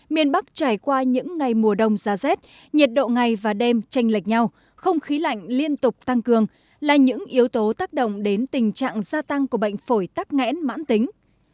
miền bắc trải qua những ngày mùa đông giá rét nhiệt độ ngày và đêm tranh lệch nhau không khí lạnh liên tục tăng cường là những yếu tố tác động đến tình trạng gia tăng của bệnh phổi tắc nghẽn mãn tính